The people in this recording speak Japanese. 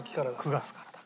９月からだ。